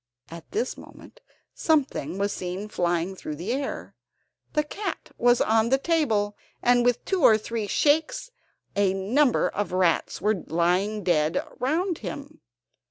At this moment something was seen flying through the air. The cat was on the table, and with two or three shakes a number of rats were lying dead round him.